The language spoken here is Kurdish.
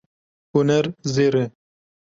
Huner zêr e.